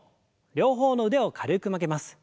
両方の腕を軽く曲げます。